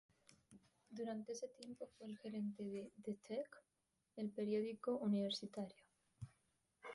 Durante ese tiempo fue el gerente de "The Tech", el periódico universitario.